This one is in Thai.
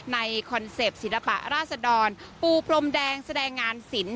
คอนเซ็ปต์ศิลปะราษดรปูพรมแดงแสดงงานศิลป